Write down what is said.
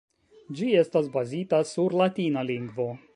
Ĝi estas bazita sur latina lingvo.